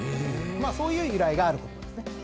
そういう由来がある言葉ですね。